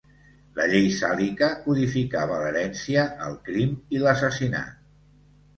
La Llei Sàlica codificava l'herència, el crim i l'assassinat.